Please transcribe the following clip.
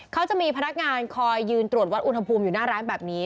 เขาจะมีพนักงานคอยยืนตรวจวัดอุณหภูมิอยู่หน้าร้านแบบนี้